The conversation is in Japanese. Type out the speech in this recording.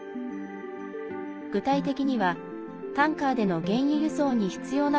具体的には、タンカーでの原油輸送に必要な